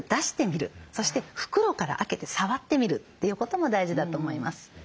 そして袋から開けて触ってみるということも大事だと思います。